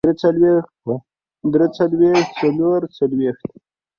درې څلوېښت څلور څلوېښت